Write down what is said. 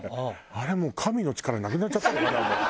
あれもう神の力なくなっちゃったのかな。